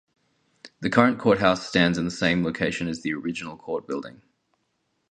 The current courthouse stands in the same location as the original court building.